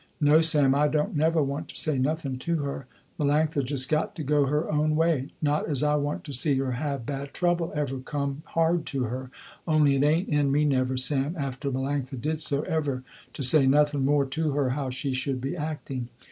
No Sam, I don't never want to say nothing to her. Melanctha just got to go her own way, not as I want to see her have bad trouble ever come hard to her, only it ain't in me never Sam, after Melanctha did so, ever to say nothing more to her how she should be acting.